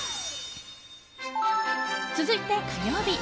続いて火曜日。